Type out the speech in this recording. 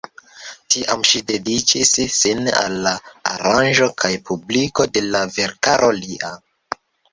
Tiam ŝi dediĉis sin al la aranĝo kaj publiko de la verkaro lia.